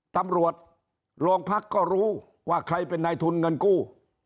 ตำรวจโรงพักก็รู้ว่าใครเป็นนายทุนเงินกู้